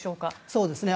そうですね。